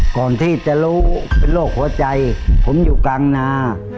ก่อนที่จะรู้เป็นโรคหัวใจผมอยู่กลางนา